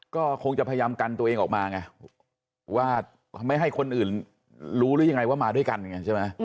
ก็คงจะพยายามกันตัวเองออกมาไงว่าไม่ให้คนอื่นรู้หรือยังไงว่ามาด้วยกันไงใช่ไหม